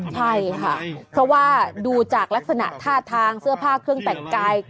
ใช่ค่ะเพราะว่าดูจากลักษณะท่าทางเสื้อผ้าเครื่องแต่งกาย